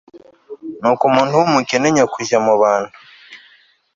ni uko umuntu wumukene nyakujya mu bantu